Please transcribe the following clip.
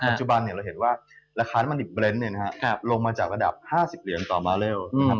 จุบันเนี่ยเราเห็นว่าราคาน้ำมันดิบเรนด์ลงมาจากระดับ๕๐เหรียญต่อมาเรลนะครับ